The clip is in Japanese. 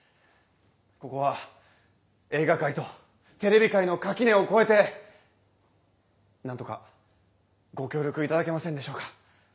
ここは映画界とテレビ界の垣根を越えてなんとかご協力いただけませんでしょうか？